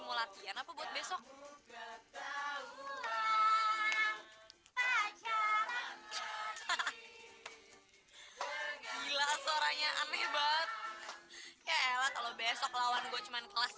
mau latihan apa buat besok gila suaranya aneh banget ya ella kalau besok lawan gue cuman kelas